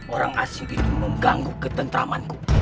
orang asing itu mengganggu ketentraman